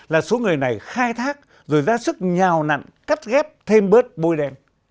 là số người này khai thác rồi ra sức nhào nặn cắt ghép thêm bớt bôi đen